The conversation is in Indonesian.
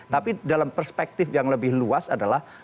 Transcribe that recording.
tapi dalam perspektif yang lebih luas adalah